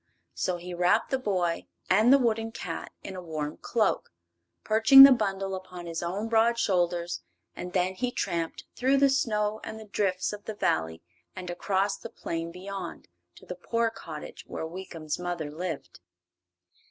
So he wrapped the boy and the wooden cat in a warm cloak, perching the bundle upon his own broad shoulders, and then he tramped through the snow and the drifts of the Valley and across the plain beyond to the poor cottage where Weekum's mother lived.